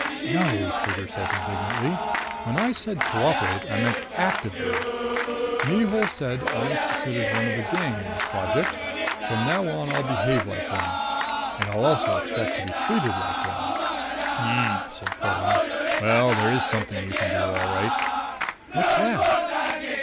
"No!" Trigger said indignantly. "When I said cooperate, I meant actively. Mihul said I'm considered one of the gang in this project. From now on I'll behave like one. And I'll also expect to be treated like one." "Hm," said Quillan. "Well, there is something you can do, all right." "What's that?"